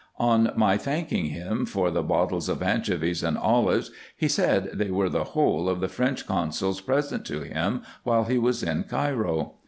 On my thanking him for the bottles of anchovies and olives, he said, they were the whole of the French consul's present to him while he was in Cairo.